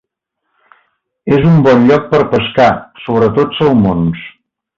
És un bon lloc per pescar sobretot salmons.